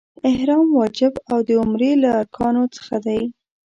احرام واجب او د عمرې له ارکانو څخه دی.